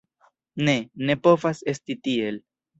Ne, ne povas esti tiel.